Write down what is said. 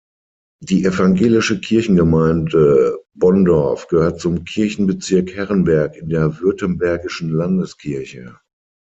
Die evangelische Kirchengemeinde Bondorf gehört zum Kirchenbezirk Herrenberg in der Württembergischen Landeskirche.